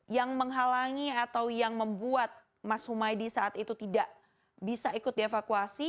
yang menghalangi atau yang membuat mas humaydi saat itu tidak bisa ikut dievakuasi